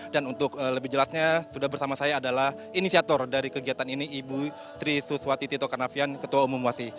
dan untuk lebih jelasnya sudah bersama saya adalah inisiator dari kegiatan ini ibu trisuswati tito karnavian ketua umum wasi